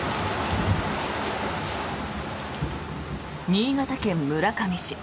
新潟県村上市。